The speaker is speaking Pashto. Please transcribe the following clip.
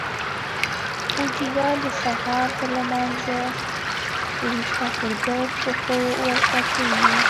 پوجيگر د سهار تر لمانځه وروسته پر دوو پښو ورته کښېني.